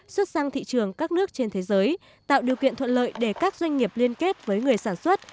xuất sang thị trường các nước trên thế giới tạo điều kiện thuận lợi để các doanh nghiệp liên kết với người sản xuất